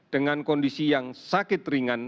dengan kondisi yang sakit ringan